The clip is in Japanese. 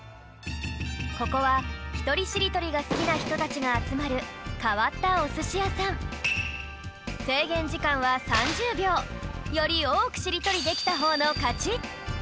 ここはひとりしりとりがすきなひとたちがあつまるかわったおすしやさんよりおおくしりとりできたほうのかち！